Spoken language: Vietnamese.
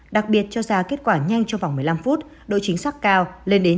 đặc biệt cho ra kết quả nhanh trong vòng một mươi năm phút độ chính xác cao lên đến chín mươi tám năm mươi